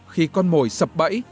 khi con mồi sập bẫy